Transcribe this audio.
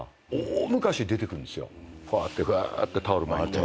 こうやってがーってタオル巻いて。